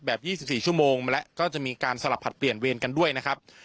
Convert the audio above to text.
๒๔ชั่วโมงแล้วก็จะมีการสลับผลัดเปลี่ยนเวรกันด้วยนะครับ